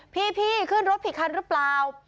พี่ขึ้นรถผิดคันหรือเปล่า